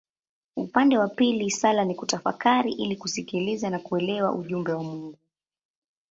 Upande wa pili sala ni kutafakari ili kusikiliza na kuelewa ujumbe wa Mungu.